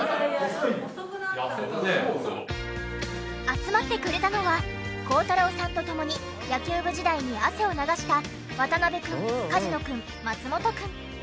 集まってくれたのは孝太郎さんと共に野球部時代に汗を流した渡邉くん梶野くん松本くん。